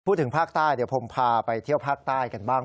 ถึงภาคใต้เดี๋ยวผมพาไปเที่ยวภาคใต้กันบ้าง